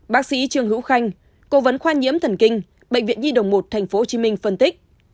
bác sĩ trương hữu khanh cố vấn khoa nhiễm thần kinh bệnh viện nhi đồng một tp hcm phân tích